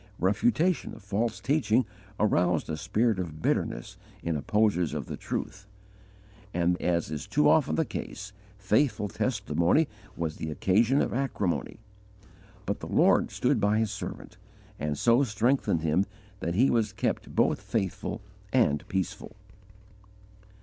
Refutation of false teaching aroused a spirit of bitterness in opposers of the truth, and, as is too often the case, faithful testimony was the occasion of acrimony; but the Lord stood by His servant and so strengthened him that he was kept both faithful and peaceful.